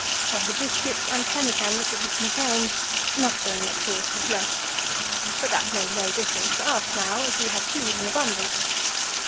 Of the biscuits and pemmican which it had contained, nothing, of course, was left; but that made no difference to us now, as we had food in abundance.